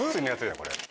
これ。